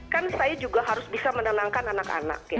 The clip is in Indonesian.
kan saya juga harus bisa menenangkan anak anak ya